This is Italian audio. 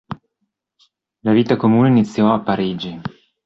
La vita comune iniziò a Parigi.